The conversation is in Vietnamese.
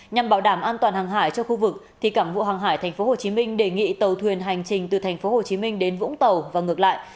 nhằm bảo đảm an toàn hàng hải cho khu vực cảng vụ hàng hải tp hcm đề nghị tàu thuyền hành trình từ tp hcm đến vũng tàu và ngược lại